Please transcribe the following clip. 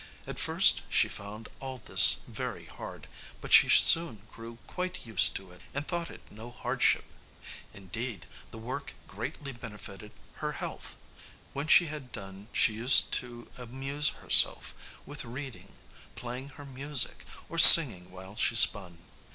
At first she found all this very hard; but she soon grew quite used to it, and thought it no hardship; indeed, the work greatly benefited her health. When she had done she used to amuse herself with reading, playing her music, or singing while she spun.